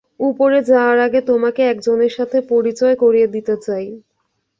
উপরে যাওয়ার আগে তোমাকে একজনের সাথে পরিচয় করিয়ে দিতে চাই।